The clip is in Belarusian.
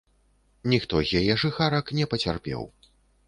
Ніхто з яе жыхарак не пацярпеў.